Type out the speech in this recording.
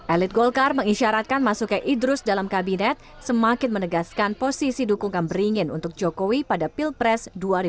elit golkar mengisyaratkan masuknya idrus dalam kabinet semakin menegaskan posisi dukungan beringin untuk jokowi pada pilpres dua ribu sembilan belas